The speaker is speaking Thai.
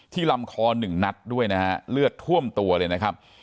ลำคอหนึ่งนัดด้วยนะฮะเลือดท่วมตัวเลยนะครับ